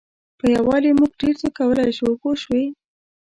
په یووالي موږ ډېر څه کولای شو پوه شوې!.